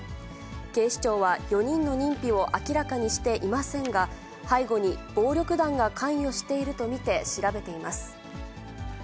警視庁は、４人の認否を明らかにしていませんが、背後に暴力団が関与していると見て調べています。